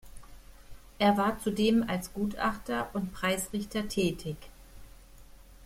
Er war zudem als Gutachter und Preisrichter tätig.